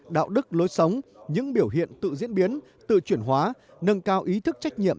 đạo đức lối sống những biểu hiện tự diễn biến tự chuyển hóa nâng cao ý thức trách nhiệm